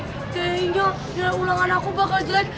sehingga ulangan aku bakal jelek